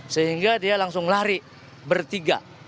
sehingga dia langsung lari bertiga